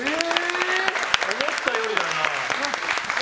思ったよりだな。